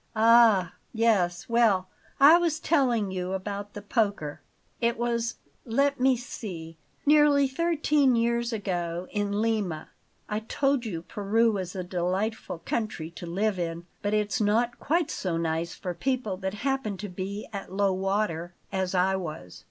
Ah Yes; well, I was telling you about the poker. "It was let me see nearly thirteen years ago, in Lima. I told you Peru was a delightful country to live in; but it's not quite so nice for people that happen to be at low water, as I was.